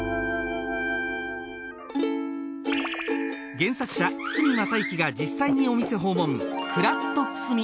原作者久住昌之が実際にお店訪問